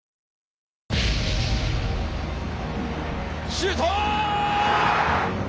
シュート！